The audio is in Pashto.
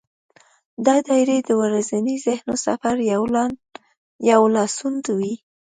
دا ډایري د ورځني ذهني سفر یو لاسوند وي.